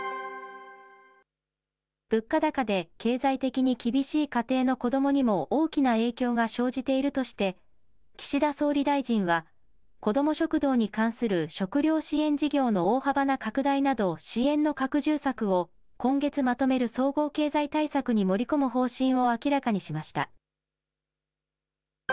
物価高で経済的に厳しい家庭の子どもにも大きな影響が生じているとして、岸田総理大臣は、子ども食堂に関する食料支援事業の大幅な拡大など、支援の拡充策を今月まとめる総合経済対策に盛り込む方針を明らかにしました。